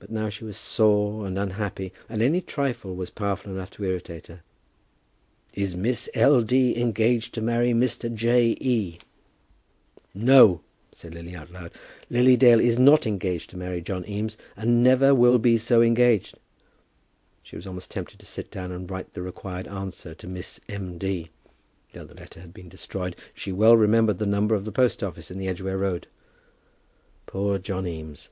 But now she was sore and unhappy, and any trifle was powerful enough to irritate her. "Is Miss L. D. engaged to marry Mr. J. E.?" "No," said Lily, out loud. "Lily Dale is not engaged to marry John Eames, and never will be so engaged." She was almost tempted to sit down and write the required answer to Miss M. D. Though the letter had been destroyed, she well remembered the number of the post office in the Edgware Road. Poor John Eames!